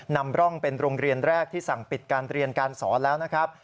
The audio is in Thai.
นำร่องเป็นโรงเรียนแรกที่สั่งปิดการเรียนการสอนแล้วนะครับ